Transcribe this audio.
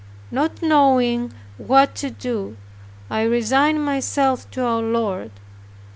Not knowing what to do, I resigned myself to our Lord.